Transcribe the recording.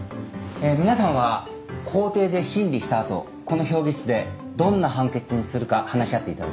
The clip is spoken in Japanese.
皆さんは法廷で審理した後この評議室でどんな判決にするか話し合っていただきます。